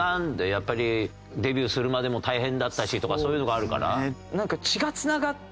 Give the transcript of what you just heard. やっぱりデビューするまでも大変だったしとかそういうのがあるから？